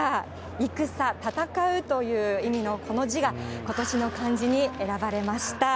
戦、戦うという意味のこの字が、今年の漢字に選ばれました。